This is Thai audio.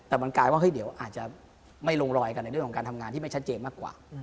แต่มันกลายว่าเฮ้ยเดี๋ยวอาจจะไม่ลงรอยกันในเรื่องของการทำงานที่ไม่ชัดเจนมากกว่า